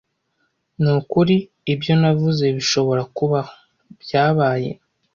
Nukuri ibyo navuze bishobora kubaho, byabaye.